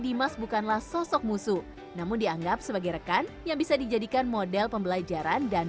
dimas bukanlah sosok musuh namun dianggap sebagai rekan yang bisa dijadikan model pembelajaran dan